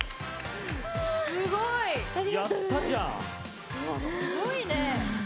すごいね。